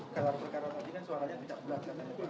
kelar perkara tadi kan suaranya tidak bulat